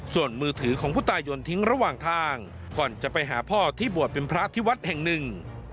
ส่วนมือถือของผู้ตายยนต์ทิ้งระหว่างทางก่อนจะไปหาพ่อที่บวชเป็นพระที่วัดแห่งหนึ่ง